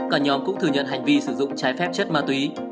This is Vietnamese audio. cả nhóm cũng thừa nhận hành vi sử dụng trái phép chất ma túy